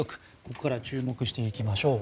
ここからは注目していきます。